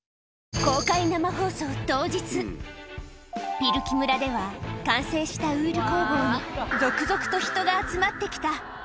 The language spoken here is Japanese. ピルキ村では、完成したウール工房に、続々と人が集まってきた。